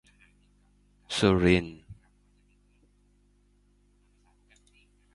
สุรินทร์